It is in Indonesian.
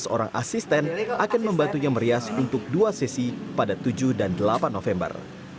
tujuh belas orang asisten akan membantunya merias untuk dua sesi pada tujuh dan delapan november